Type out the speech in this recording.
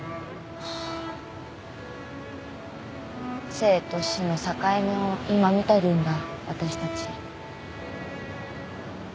生と死の境目を今見てるんだ私たち。